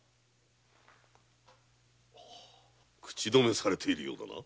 「口止め」されておるようだな。